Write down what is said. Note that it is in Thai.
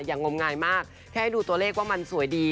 งมงายมากแค่ให้ดูตัวเลขว่ามันสวยดี